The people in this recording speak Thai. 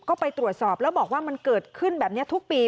ก็ไปตรวจสอบแล้วบอกว่ามันเกิดขึ้นแบบนี้ทุกปี